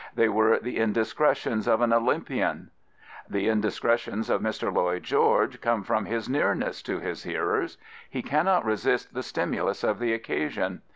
They were the indiscretions of an Olym pian, The indiscretions of Mr. Lloyd George come from his nearness to his hearers. He cannot resist the stimulus of the occasion.